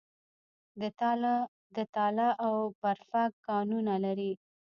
د تاله او برفک کانونه لري